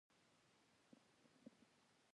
د کلي ګرزېدونکي ګروپ زخمیان يو نامعلوم لور ته وړل.